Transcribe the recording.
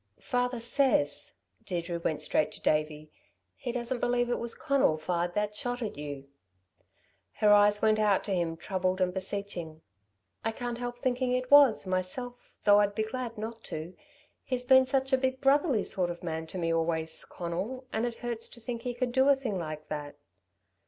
"Father says " Deirdre went straight to Davey "he doesn't believe it was Conal fired that shot at you." Her eyes went out to him troubled and beseeching. "I can't help thinking it was, myself, though I'd be glad not to. He's been such a big brotherly sort of man to me always, Conal, and it hurts to think he could do a thing like that."